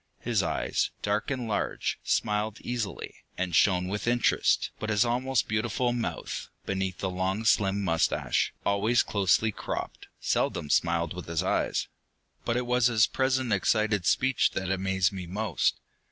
His eyes, dark and large, smiled easily, and shone with interest, but his almost beautiful mouth, beneath the long slim mustache, always closely cropped, seldom smiled with his eyes. But it was his present excited speech that amazed me most.